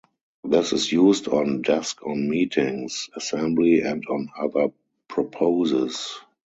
This Is Used on Desk On Meetings, Assembly and on Other Proposes.